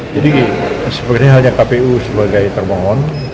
jadi seperti halnya kpu sebagai termohon